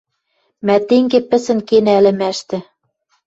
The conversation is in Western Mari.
Мӓ тенге пӹсӹн кенӓ ӹлӹмӓштӹ